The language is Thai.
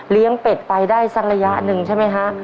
เป็ดไปได้สักระยะหนึ่งใช่ไหมคะ